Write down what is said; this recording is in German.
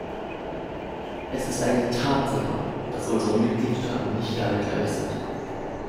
Es ist eine Tatsache, dass unsere Mitgliedstaaten nicht alle gleich sind.